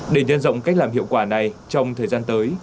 để nhân rộng cách làm hiệu quả này trong thời gian tới